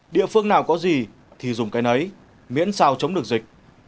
địa phương nào có gì thì dùng cái ấy miễn sao chống được dịch